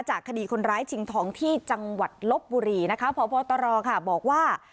คดีคนร้ายชิงทองที่จังหวัดลบบุรีนะคะพบตรค่ะบอกว่า